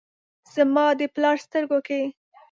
زما د پلار سترګو کې ،